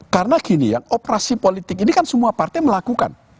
karena gini ya operasi politik ini kan semua partai melakukan